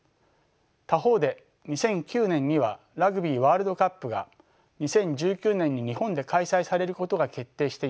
他方で２００９年にはラグビーワールドカップが２０１９年に日本で開催されることが決定していました。